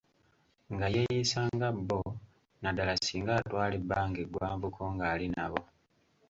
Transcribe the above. Nga yeeyisa nga bo naddala singa atwala ebbanga ggwanvuko nga ali nabo.